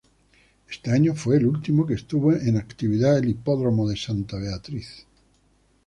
Ese año fue el último que estuvo en actividad el Hipódromo de Santa Beatriz.